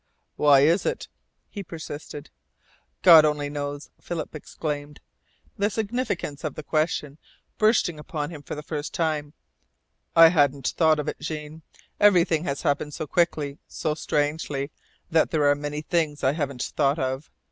"Why is it?" he persisted. "God only knows," exclaimed Philip, the significance of the question bursting upon him for the first time. "I hadn't thought of it, Jean. Everything has happened so quickly, so strangely, that there are many things I haven't thought of.